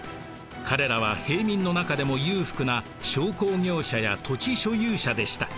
彼らは平民の中でも裕福な商工業者や土地所有者でした。